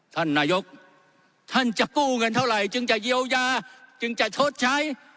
ท่านนายกท่านจะกู้เงินเท่าไหร่จึงจะเยียวยาจึงจะชดใช้